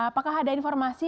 apakah ada informasi